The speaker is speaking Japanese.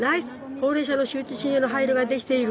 高齢者の羞恥心への配慮ができている。